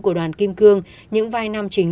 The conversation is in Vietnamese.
của đoàn kim cương những vai nam chính